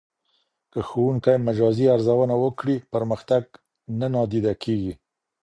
که ښوونکی مجازي ارزونه وکړي، پرمختګ نه نادیده کېږي.